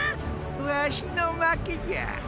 わしの負けじゃ。